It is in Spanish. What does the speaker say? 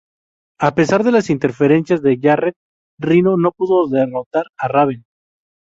A pesar de las interferencias de Jarrett, Rhino no pudo derrotar a Raven.